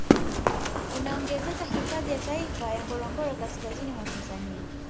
Inaongezeka hifadhi ya taifa ya Ngorongoro kaskazini mwa Tanzania